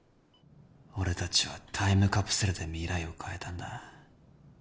俺達はタイムカプセルで未来を変えたんだ